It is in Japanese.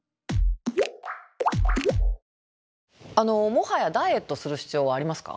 もはやダイエットする必要はありますか？